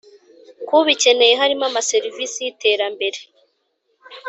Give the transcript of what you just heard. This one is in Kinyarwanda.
K’ubikeneye harimo amaserivisi y iterambere.